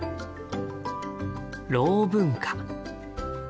「ろう文化」。